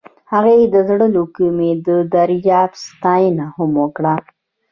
هغې د زړه له کومې د دریاب ستاینه هم وکړه.